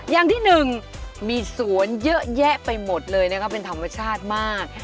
อย่างที่หนึ่งมีสวนเยอะแยะไปหมดเลยนะครับเป็นธรรมชาติมาก